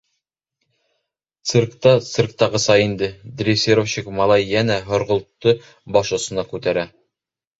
Циркта цирктағыса инде: дрессировщик малай йәнә һорғолтто баш осона күтәрә.